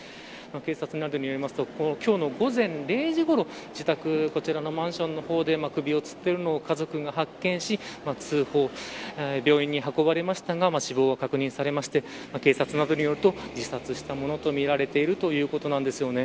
警察などによりますと今日の午前０時ごろ、自宅こちらのマンションの方で首をつっているのを家族が発見し通報、病院に運ばれましたが死亡が確認されまして警察などによると自殺したものとみられているということなんですよね。